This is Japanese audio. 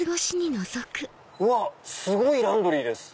うわっすごいランドリーです。